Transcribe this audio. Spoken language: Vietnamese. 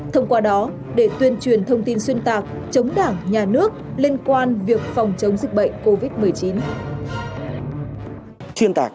thông qua đó để tuyên truyền thông tin xuyên tạc chống đảng nhà nước liên quan việc phòng chống dịch bệnh covid một mươi chín